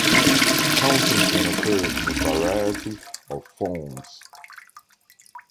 Counting can occur in a variety of forms.